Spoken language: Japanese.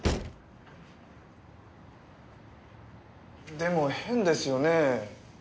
でも変ですよね。